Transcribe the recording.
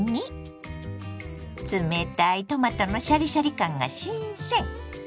冷たいトマトのシャリシャリ感が新鮮！